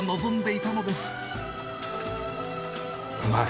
うまい。